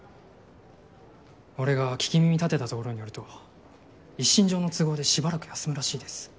俺が聞き耳立てたところによると一身上の都合でしばらく休むらしいです。